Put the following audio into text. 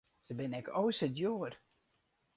Se binne ek o sa djoer.